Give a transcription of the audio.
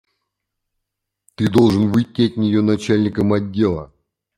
Ты должен выйти от нее начальником отдела.